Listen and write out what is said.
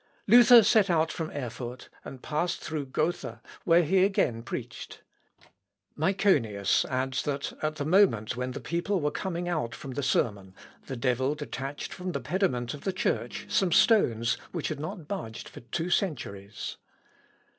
Luther set out from Erfurt, and passed through Gotha, where he again preached. Myconius adds, that at the moment when the people were coming out from the sermon the devil detached from the pediment of the church some stones which had not budged for two centuries.